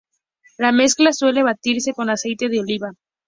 La mezcla suele batirse con aceite de oliva.